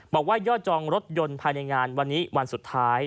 บอกว่ายอดจองรถยนต์ภายในงานวันนี้วันสุดท้าย